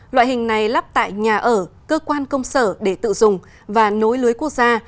loại hình này lắp tại nhà ở cơ quan công sở để tự dùng và nối lưới quốc gia